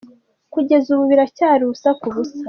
Kugeza ubu biracyari ubusa ku busa.